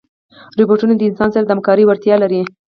روبوټونه د انسان سره د همکارۍ وړتیا لري.